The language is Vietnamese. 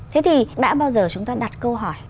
thế thì đã bao giờ chúng ta đặt câu hỏi